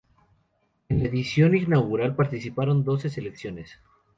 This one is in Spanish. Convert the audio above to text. En la edición inaugural participaron doce selecciones.